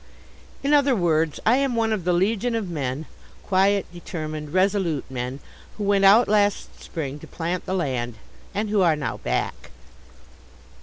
In other words, I am one of the legion of men quiet, determined, resolute men who went out last spring to plant the land, and who are now back.